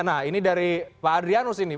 nah ini dari pak adrianus ini